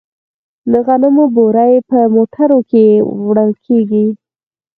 د غنمو بورۍ په موټرو کې وړل کیږي.